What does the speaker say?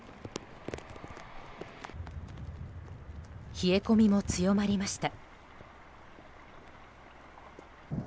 冷え込みも強まりました。